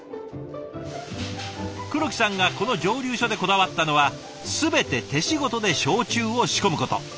黒木さんがこの蒸留所でこだわったのは全て手仕事で焼酎を仕込むこと。